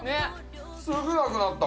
すぐなくなった。